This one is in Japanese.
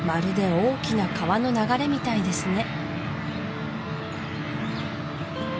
大きな川の流れみたいですね